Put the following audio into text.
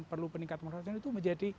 perlu peningkat pengawasan itu menjadi